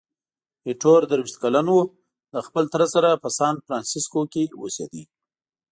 ایټور درویشت کلن وو، له خپل تره سره په سانفرانسیسکو کې اوسېده.